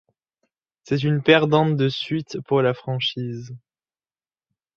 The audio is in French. C'est une perdante de suite pour la franchise.